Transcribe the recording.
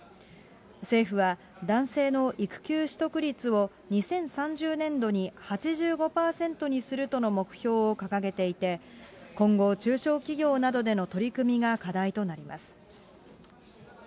政府は男性の育休取得率を２０３０年度に８５％にするとの目標を掲げていて、今後、中小企業などでの取り組みが課題となります。